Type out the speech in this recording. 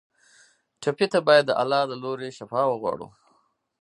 ټپي ته باید د الله له لورې شفا وغواړو.